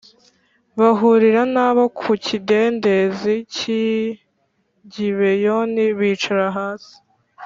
bahurira na bo ku kidendezi cy’i Gibeyoni bicara hasi